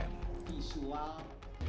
yang jelas sudah ada edukasi